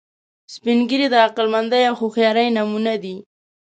سپین ږیری د عقلمندۍ او هوښیارۍ نمونه دي